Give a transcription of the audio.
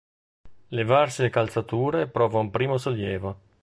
Levarsi le calzature prova un primo sollievo.